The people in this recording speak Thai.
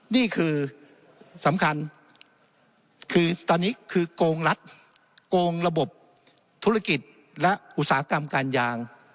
นี่คือสำคัญคือตอนนี้คือโกงรัฐโกงระบบธุรกิจและอุตสาหกรรมการยาง